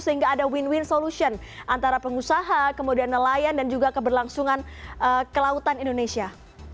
sehingga ada win win solution antara pengusaha kemudian nelayan dan juga keberlangsungan kelautan indonesia